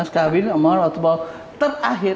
tujuh belas kali ini omor waktu bawah terakhir